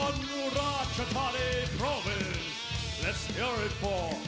เราจะฟังกัน